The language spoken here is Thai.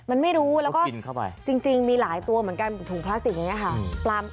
มันไม่รู้แล้วก็จริงมีหลายตัวเหมือนกันถุงคลาสติกับแบบนี้นะคะ